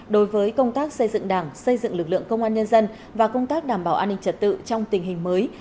đối với công tác xây dựng đảng xây dựng lực lượng công an nhân dân và công tác đảm bảo an ninh trật tự trong tình hình mới